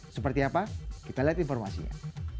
seperti apa kita lihat informasinya